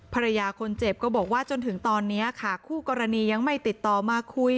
ภรรยาคนเจ็บก็บอกว่าจนถึงตอนนี้ค่ะคู่กรณียังไม่ติดต่อมาคุย